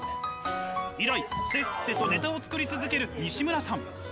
以来、せっせとネタを作り続けるにしむらさん。